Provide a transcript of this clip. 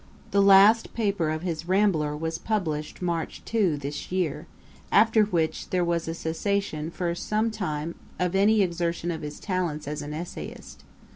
The last paper of his Rambler was published March 2, this year; after which, there was a cessation for some time of any exertion of his talents as an essayist.